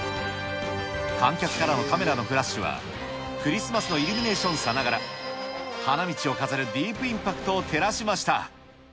観客からのカメラのフラッシュは、クリスマスのイルミネーションさながら、花道を飾るディープインパクトを照らしました。